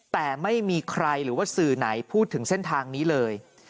แต่ไม่มีใครหรือว่าสื่อไหนพูดถึงเส้นทางนี้เลย